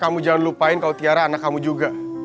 kamu jangan lupain kalau tiara anak kamu juga